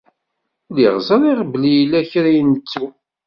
Lliɣ ẓriɣ belli yella kra i nettu.